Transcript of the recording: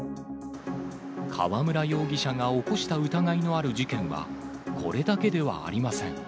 河村容疑者が起こした疑いのある事件は、これだけではありません。